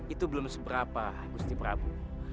itu belum seberapa gusti prabu